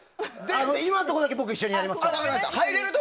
今のところだけ僕、一緒にやりますから。